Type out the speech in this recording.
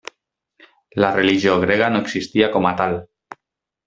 La religió grega no existia com a tal.